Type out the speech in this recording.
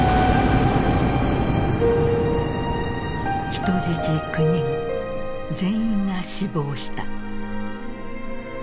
人質９人全員が死亡した。